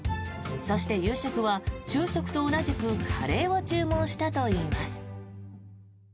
そして、夕食は昼食と同じくカレーを注文したといいます。